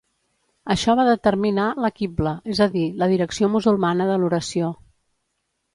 Això va determinar la Qibla, és a dir, la direcció musulmana de l'oració.